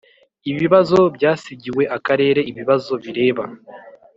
ibibazo byasigiwe akarere ibibazo bireba